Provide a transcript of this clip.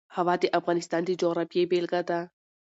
هوا د افغانستان د جغرافیې بېلګه ده.